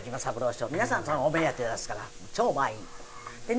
皆さんお目当てですから超満員。